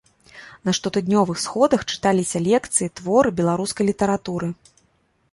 На штотыднёвых сходах чыталіся лекцыі, творы беларускай літаратуры.